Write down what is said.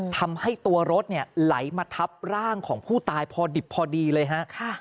ทำให้ตัวรถไหลมาทับร่างของผู้ตายพอดิบพอดีเลยฮะ